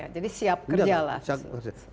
jadi siap kerja lah